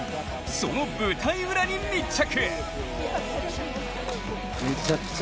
その舞台裏に密着！